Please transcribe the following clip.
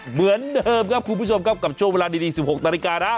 เหมือนเดิมครับคุณผู้ชมครับกับช่วงเวลาดี๑๖นาฬิกานะ